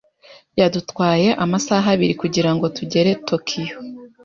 Byadutwaye amasaha abiri kugirango tugere Tokiyo.